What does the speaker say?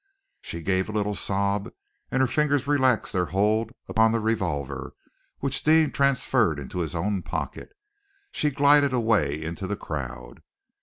She gave a little sob, and her fingers relaxed their hold upon the revolver, which Deane transferred into his own pocket. She glided away into the crowd.